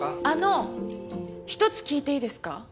あの一つ聞いていいですか？